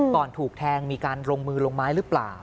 ถูกแทงมีการลงมือลงไม้หรือเปล่า